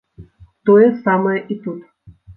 Тое самае і тут.